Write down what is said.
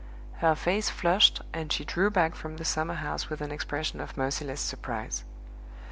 Her face flushed and she drew back from the summerhouse with an expression of merciless surprise.